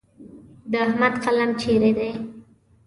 د احمد قلم چیرې دی؟